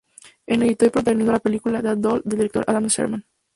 En editó y protagonizó la película "Dead Doll", del director Adam Sherman.